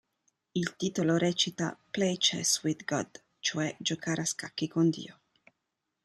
Il titolo recita "Play chess with God", cioè "Giocare a scacchi con Dio".